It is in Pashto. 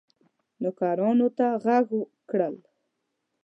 نوکرانو ته ږغ کړل.